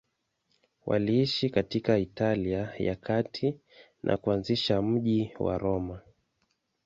Waliishi katika Italia ya Kati na kuanzisha mji wa Roma.